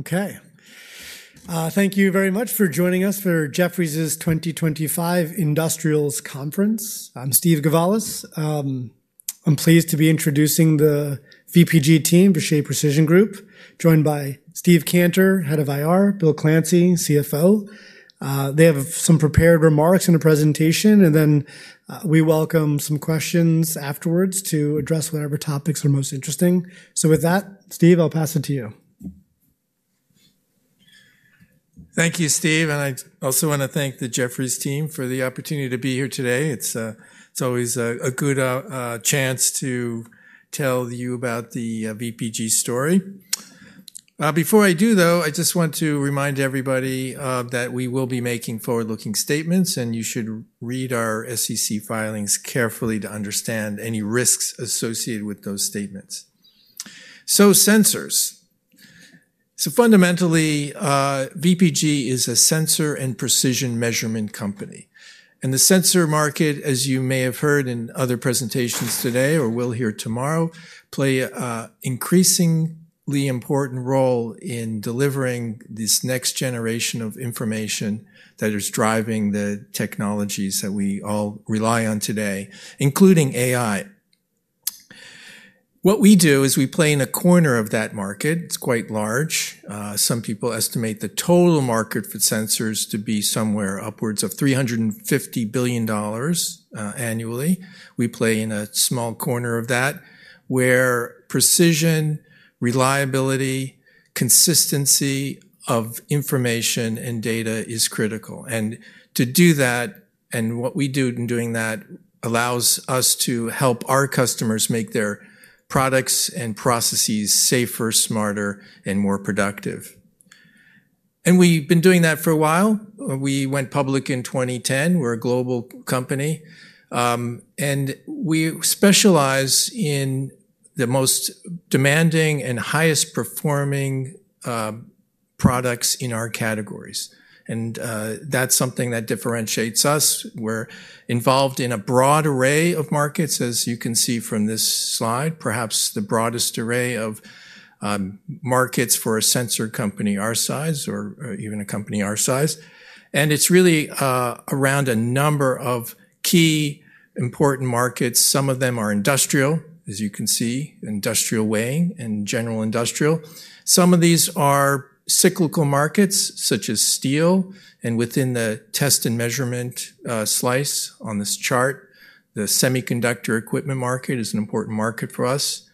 ... Okay. Thank you very much for joining us for Jefferies' 2025 Industrials Conference. I'm Steve Gavalas. I'm pleased to be introducing the VPG team, Vishay Precision Group, joined by Steve Cantor, Head of IR, Bill Clancy, CFO. They have some prepared remarks and a presentation, and then, we welcome some questions afterwards to address whatever topics are most interesting. So with that, Steve, I'll pass it to you. Thank you, Steve, and I also want to thank the Jefferies team for the opportunity to be here today. It's, it's always a, a good, chance to tell you about the, VPG story. Before I do, though, I just want to remind everybody, that we will be making forward-looking statements, and you should read our SEC filings carefully to understand any risks associated with those statements. So sensors. So fundamentally, VPG is a sensor and precision measurement company, and the sensor market, as you may have heard in other presentations today or will hear tomorrow, play a, increasingly important role in delivering this next generation of information that is driving the technologies that we all rely on today, including AI. What we do is we play in a corner of that market. It's quite large. Some people estimate the total market for sensors to be somewhere upwards of $350 billion annually. We play in a small corner of that, where precision, reliability, consistency of information and data is critical. And to do that, and what we do in doing that, allows us to help our customers make their products and processes safer, smarter, and more productive. And we've been doing that for a while. We went public in 2010. We're a global company, and we specialize in the most demanding and highest performing products in our categories, and that's something that differentiates us. We're involved in a broad array of markets, as you can see from this slide, perhaps the broadest array of markets for a sensor company our size or even a company our size. And it's really, around a number of key important markets. Some of them are industrial, as you can see, industrial weighing and general industrial. Some of these are cyclical markets, such as steel, and within the test and measurement, slice on this chart, the semiconductor equipment market is an important market for us.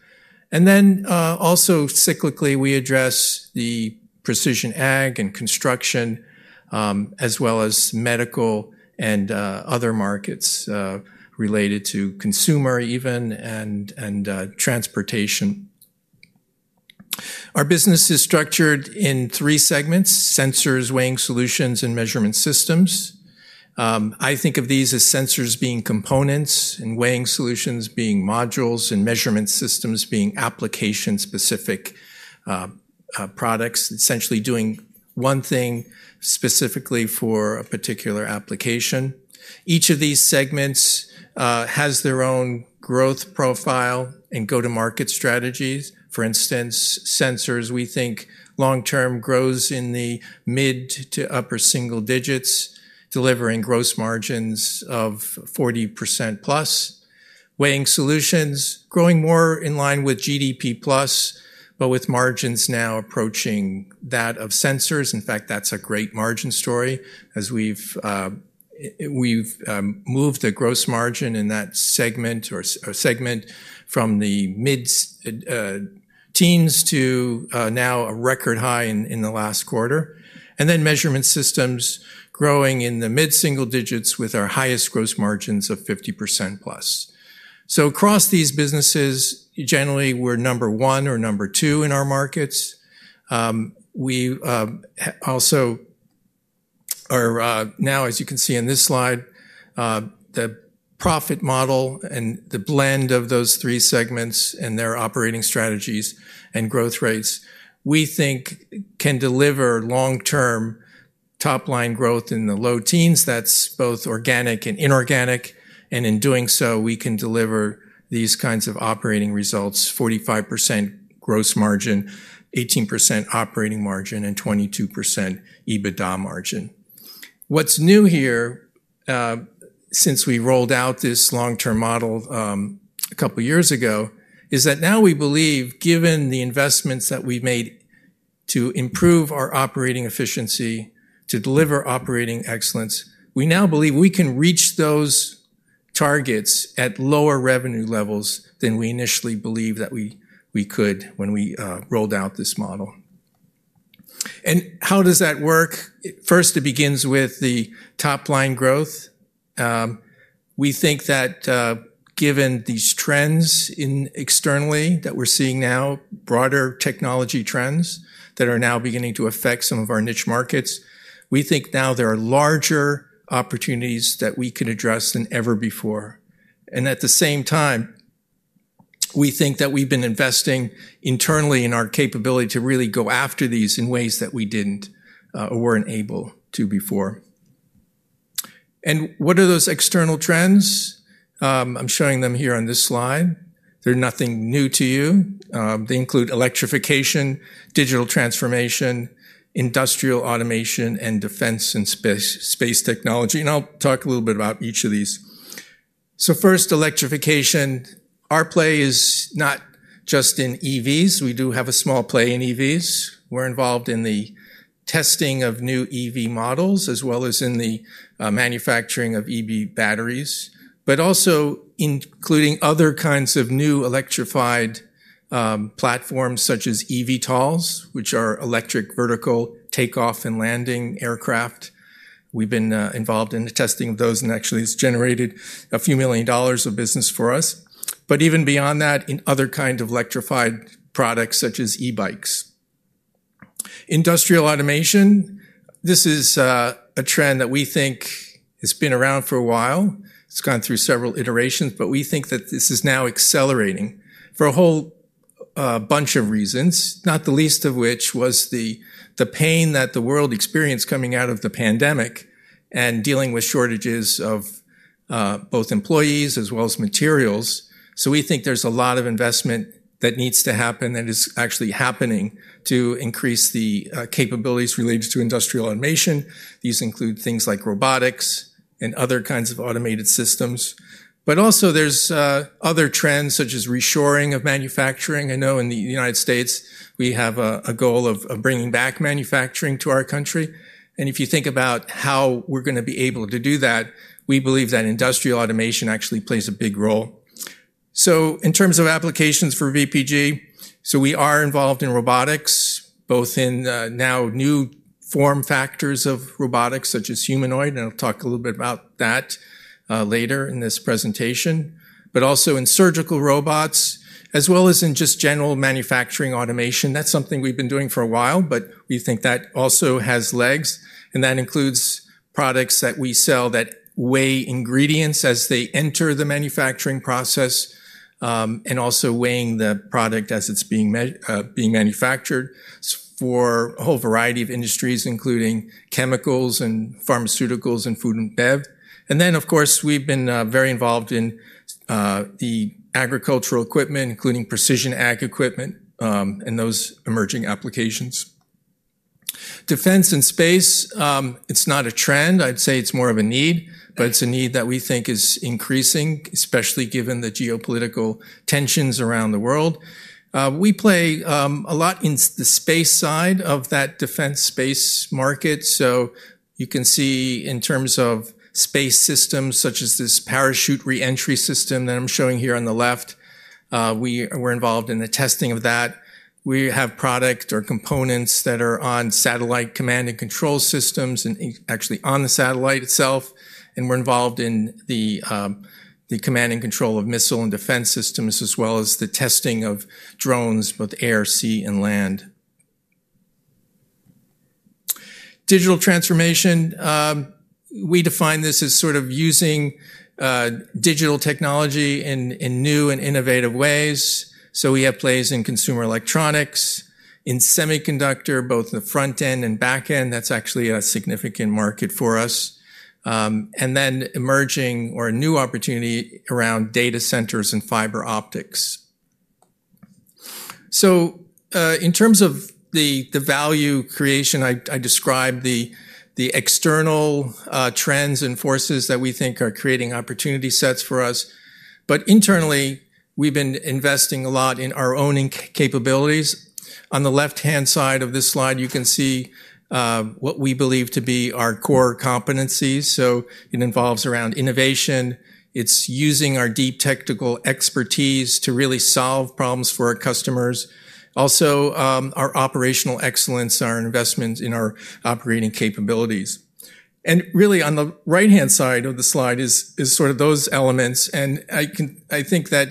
And then, also cyclically, we address the precision ag and construction, as well as medical and, other markets, related to consumer even, and transportation. Our business is structured in three segments: sensors, weighing solutions, and measurement systems. I think of these as sensors being components, and weighing solutions being modules, and measurement systems being application-specific, products, essentially doing one thing specifically for a particular application. Each of these segments, has their own growth profile and go-to-market strategies. For instance, sensors, we think long term, grows in the mid to upper-single digits, delivering gross margins of 40%+. Weighing solutions, growing more in line with GDP plus, but with margins now approaching that of sensors. In fact, that's a great margin story, as we've moved the gross margin in that segment from the mid-teens to now a record high in the last quarter. Then measurement systems growing in the mid-single digits with our highest gross margins of 50%+. So across these businesses, generally, we're number one or number two in our markets. We have also are... Now, as you can see on this slide, the profit model and the blend of those three segments and their operating strategies and growth rates, we think can deliver long-term top-line growth in the low teens. That's both organic and inorganic, and in doing so, we can deliver these kinds of operating results: 45% gross margin, 18% operating margin, and 22% EBITDA margin. What's new here, since we rolled out this long-term model, a couple of years ago, is that now we believe, given the investments that we've made to improve our operating efficiency, to deliver operating excellence, we now believe we can reach those targets at lower revenue levels than we initially believed that we, we could when we rolled out this model. And how does that work? First, it begins with the top-line growth. We think that, given these trends externally that we're seeing now, broader technology trends that are now beginning to affect some of our niche markets, we think now there are larger opportunities that we could address than ever before. And at the same time, we think that we've been investing internally in our capability to really go after these in ways that we didn't or weren't able to before. And what are those external trends? I'm showing them here on this slide. They're nothing new to you. They include electrification, digital transformation, industrial automation, and defense and space, space technology, and I'll talk a little bit about each of these. So first, electrification. Our play is not just in EVs. We do have a small play in EVs. We're involved in the testing of new EV models, as well as in the manufacturing of EV batteries, but also including other kinds of new electrified platforms, such as eVTOLs, which are electric vertical take-off and landing aircraft. We've been involved in the testing of those, and actually it's generated a few million dollars of business for us. But even beyond that, in other kinds of electrified products, such as e-bikes. Industrial automation, this is a trend that we think has been around for a while. It's gone through several iterations, but we think that this is now accelerating for a whole bunch of reasons, not the least of which was the pain that the world experienced coming out of the pandemic and dealing with shortages of both employees as well as materials. So we think there's a lot of investment that needs to happen, and is actually happening, to increase the capabilities related to industrial automation. These include things like robotics and other kinds of automated systems. But also there's other trends, such as reshoring of manufacturing. I know in the United States, we have a goal of bringing back manufacturing to our country. And if you think about how we're gonna be able to do that, we believe that industrial automation actually plays a big role. So in terms of applications for VPG, so we are involved in robotics, both in now new form factors of robotics, such as humanoid, and I'll talk a little bit about that, later in this presentation. But also in surgical robots, as well as in just general manufacturing automation. That's something we've been doing for a while, but we think that also has legs, and that includes products that we sell that weigh ingredients as they enter the manufacturing process, and also weighing the product as it's being manufactured for a whole variety of industries, including chemicals and pharmaceuticals and food and bev. And then, of course, we've been very involved in the agricultural equipment, including precision ag equipment, and those emerging applications. Defense and space, it's not a trend. I'd say it's more of a need, but it's a need that we think is increasing, especially given the geopolitical tensions around the world. We play a lot in the space side of that defense space market. So you can see in terms of space systems, such as this parachute re-entry system that I'm showing here on the left, we're involved in the testing of that. We have product or components that are on satellite command and control systems, and actually on the satellite itself, and we're involved in the command and control of missile and defense systems, as well as the testing of drones, both air, sea, and land. Digital transformation, we define this as sort of using digital technology in new and innovative ways. So we have plays in consumer electronics, in semiconductor, both the front end and back end. That's actually a significant market for us. And then emerging or a new opportunity around data centers and fiber optics. So, in terms of the value creation, I described the external trends and forces that we think are creating opportunity sets for us, but internally, we've been investing a lot in our own capabilities. On the left-hand side of this slide, you can see what we believe to be our core competencies, so it revolves around innovation. It's using our deep technical expertise to really solve problems for our customers. Also, our operational excellence and our investment in our operating capabilities. And really, on the right-hand side of the slide is sort of those elements, and I think that,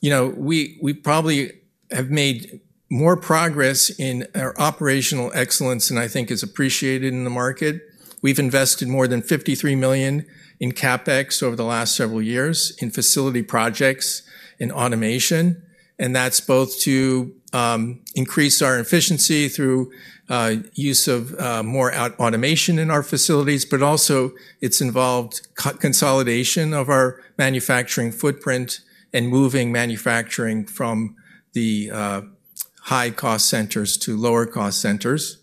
you know, we probably have made more progress in our operational excellence than I think is appreciated in the market. We've invested more than $53 million in CapEx over the last several years, in facility projects, in automation, and that's both to increase our efficiency through use of more automation in our facilities, but also it's involved consolidation of our manufacturing footprint and moving manufacturing from the high-cost centers to lower-cost centers.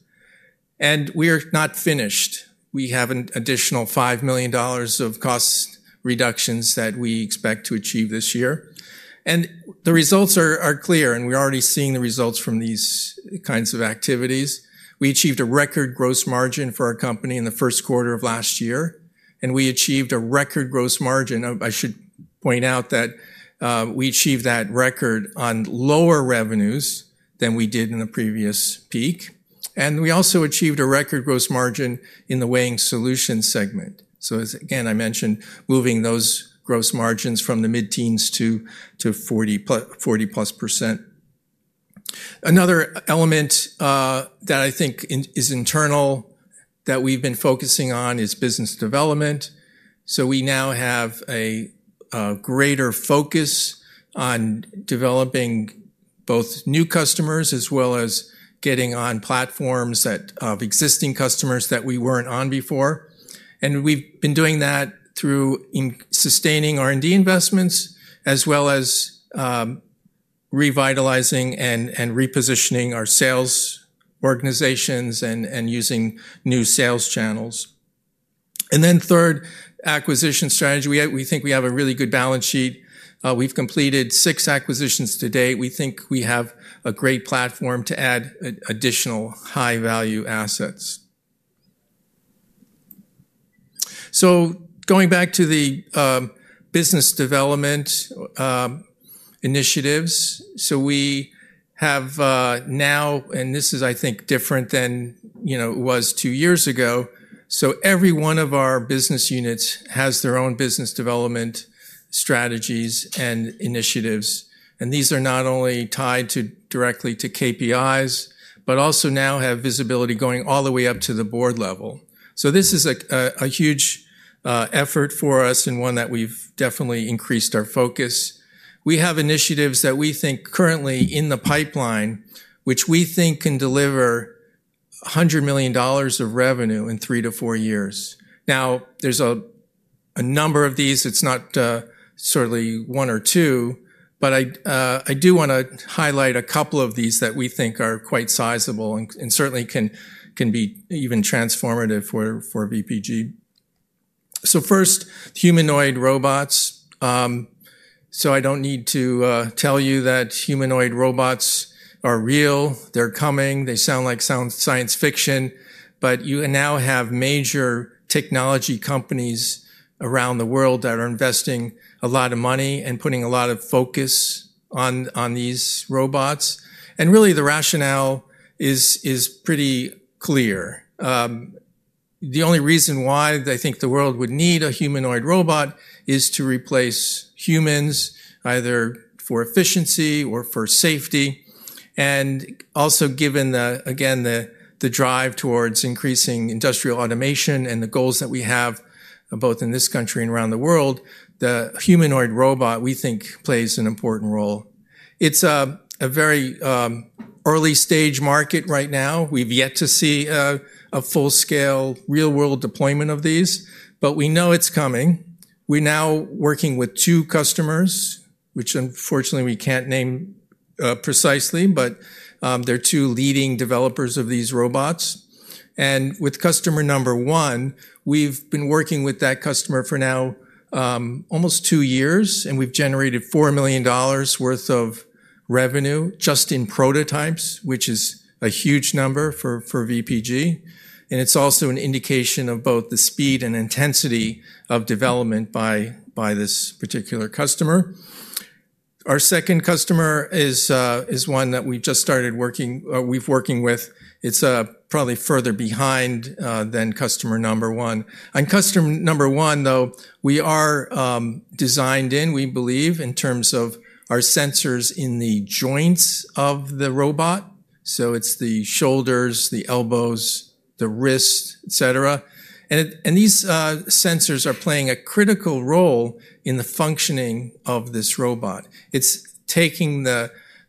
And we're not finished. We have an additional $5 million of cost reductions that we expect to achieve this year. And the results are clear, and we're already seeing the results from these kinds of activities. We achieved a record gross margin for our company in the first quarter of last year, and we achieved a record gross margin... I should point out that we achieved that record on lower revenues than we did in the previous peak, and we also achieved a record gross margin in the weighing solution segment. So as again I mentioned, moving those gross margins from the mid-teens to 40%+. Another element that I think is internal, that we've been focusing on, is business development. So we now have a greater focus on developing both new customers, as well as getting on platforms that of existing customers that we weren't on before. And we've been doing that through sustaining R&D investments, as well as revitalizing and repositioning our sales organizations and using new sales channels. And then third, acquisition strategy. We think we have a really good balance sheet. We've completed six acquisitions to date. We think we have a great platform to add additional high-value assets. Going back to the business development initiatives, so we have now, and this is, I think, different than, you know, it was two years ago, so every one of our business units has their own business development strategies and initiatives. And these are not only tied directly to KPIs, but also now have visibility going all the way up to the board level. This is a huge effort for us and one that we've definitely increased our focus. We have initiatives that we think currently in the pipeline, which we think can deliver $100 million of revenue in three to four years. Now, there's a number of these. It's not certainly one or two, but I do wanna highlight a couple of these that we think are quite sizable and certainly can be even transformative for VPG. So first, humanoid robots. So I don't need to tell you that humanoid robots are real. They're coming. They sound like science fiction, but you now have major technology companies around the world that are investing a lot of money and putting a lot of focus on these robots. And really, the rationale is pretty clear. The only reason why they think the world would need a humanoid robot is to replace humans, either for efficiency or for safety. And also, given the, again, the drive towards increasing industrial automation and the goals that we have, both in this country and around the world, the humanoid robot, we think, plays an important role. It's a very early stage market right now. We've yet to see a full-scale, real-world deployment of these, but we know it's coming. We're now working with two customers, which unfortunately, we can't name precisely, but they're two leading developers of these robots. And with customer number one, we've been working with that customer for now almost two years, and we've generated $4 million worth of revenue just in prototypes, which is a huge number for VPG. And it's also an indication of both the speed and intensity of development by this particular customer. Our second customer is one that we just started working with. It's probably further behind than customer number one. On customer number one, though, we are designed in, we believe, in terms of our sensors in the joints of the robot, so it's the shoulders, the elbows, the wrist, et cetera. These sensors are playing a critical role in the functioning of this robot. It's taking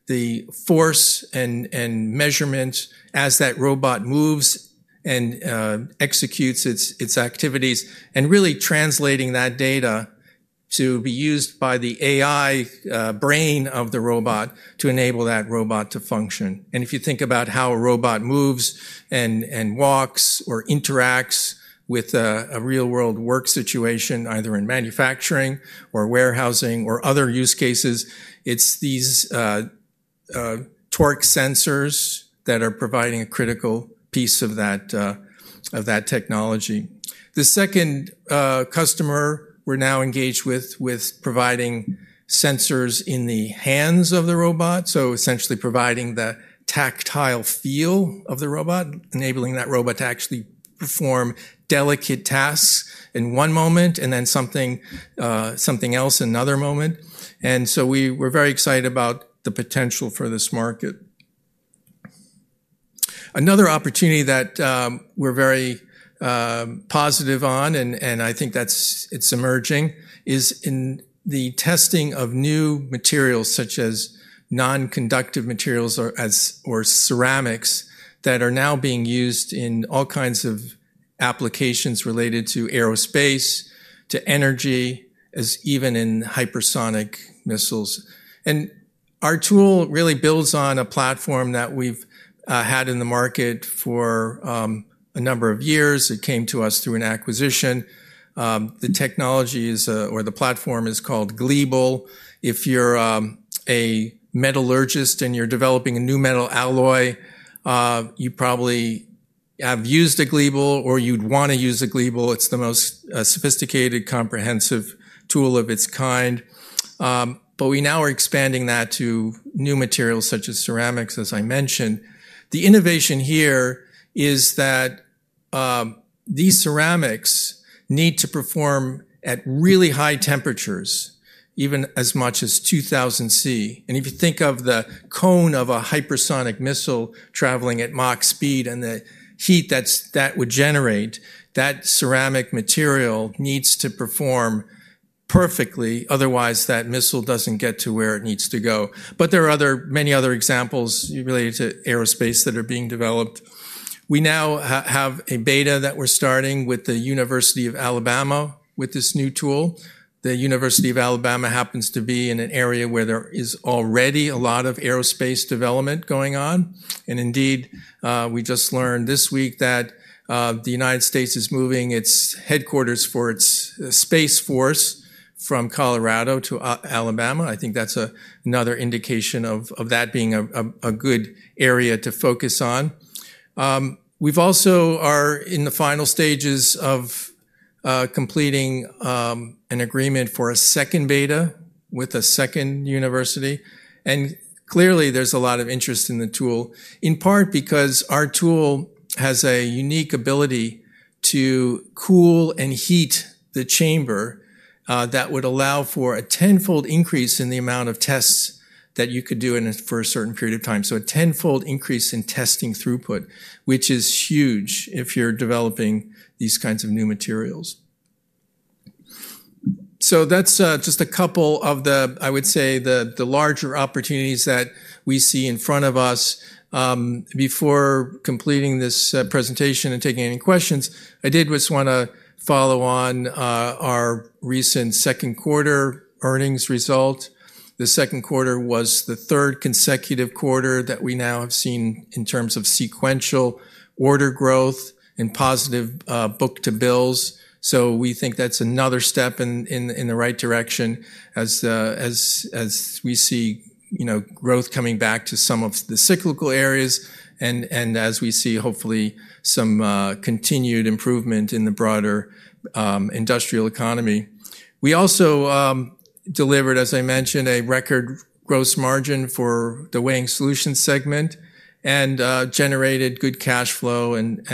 the force and measurement as that robot moves and executes its activities, and really translating that data to be used by the AI brain of the robot to enable that robot to function. And if you think about how a robot moves, and walks, or interacts with a real-world work situation, either in manufacturing or warehousing or other use cases, it's these torque sensors that are providing a critical piece of that technology. The second customer we're now engaged with providing sensors in the hands of the robot, so essentially providing the tactile feel of the robot, enabling that robot to actually perform delicate tasks in one moment, and then something else another moment. And so we're very excited about the potential for this market. Another opportunity that we're very positive on, and I think that's it's emerging, is in the testing of new materials, such as non-conductive materials or ceramics, that are now being used in all kinds of applications related to aerospace, to energy, as even in hypersonic missiles. And our tool really builds on a platform that we've had in the market for a number of years. It came to us through an acquisition. The technology is or the platform is called Gleeble. If you're a metallurgist and you're developing a new metal alloy, you probably have used a Gleeble, or you'd wanna use a Gleeble. It's the most sophisticated, comprehensive tool of its kind. But we now are expanding that to new materials, such as ceramics, as I mentioned. The innovation here is that, these ceramics need to perform at really high temperatures, even as much as 2,000 degrees Celsius. And if you think of the cone of a hypersonic missile traveling at Mach speed and the heat that would generate, that ceramic material needs to perform perfectly, otherwise that missile doesn't get to where it needs to go. But there are other, many other examples related to aerospace that are being developed. We now have a beta that we're starting with the University of Alabama with this new tool. The University of Alabama happens to be in an area where there is already a lot of aerospace development going on, and indeed, we just learned this week that, the United States is moving its headquarters for its U.S. Space Force from Colorado to Alabama. I think that's another indication of that being a good area to focus on. We've also are in the final stages of completing an agreement for a second beta with a second university, and clearly, there's a lot of interest in the tool, in part because our tool has a unique ability to cool and heat the chamber that would allow for a tenfold increase in the amount of tests that you could do for a certain period of time. So a tenfold increase in testing throughput, which is huge if you're developing these kinds of new materials. So that's just a couple of the, I would say, the larger opportunities that we see in front of us. Before completing this presentation and taking any questions, I did just wanna follow on our recent second quarter earnings result. The second quarter was the third consecutive quarter that we now have seen in terms of sequential order growth and positive book-to-bills. So we think that's another step in the right direction as we see, you know, growth coming back to some of the cyclical areas and as we see, hopefully, some continued improvement in the broader industrial economy. We also delivered, as I mentioned, a record gross margin for the Weighing Solutions segment, and generated good cash flow, and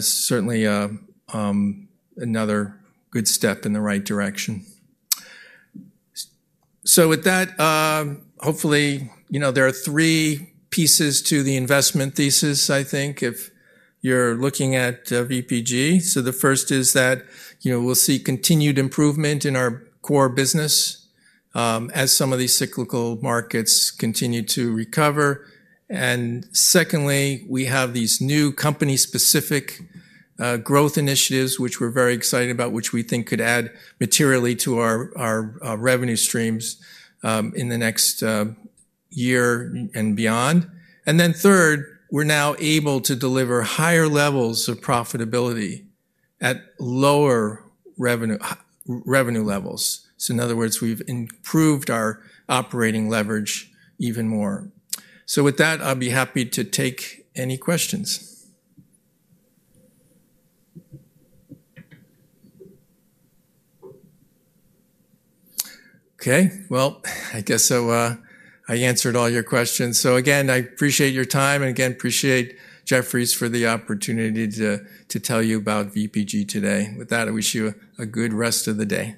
certainly another good step in the right direction. With that, hopefully, you know, there are three pieces to the investment thesis, I think, if you're looking at VPG. The first is that, you know, we'll see continued improvement in our core business as some of these cyclical markets continue to recover. Secondly, we have these new company-specific growth initiatives, which we're very excited about, which we think could add materially to our revenue streams in the next year and beyond. Then third, we're now able to deliver higher levels of profitability at lower revenue levels. In other words, we've improved our operating leverage even more. With that, I'll be happy to take any questions. Okay, well, I guess so, I answered all your questions. So, again, I appreciate your time, and again, appreciate Jefferies for the opportunity to tell you about VPG today. With that, I wish you a good rest of the day.